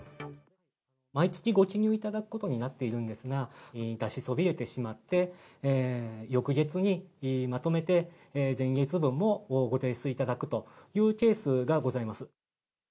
毎月ご記入いただくことになっているんですが、出しそびれてしまって、翌月にまとめて、前月分もご提出いただくというケースがございます。